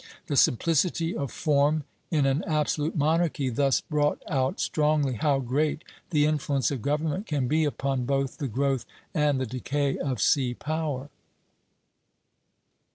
The simplicity of form in an absolute monarchy thus brought out strongly how great the influence of government can be upon both the growth and the decay of sea power.